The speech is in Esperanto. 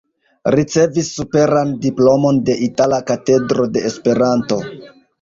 Ricevis superan diplomon de Itala Katedro de Esperanto.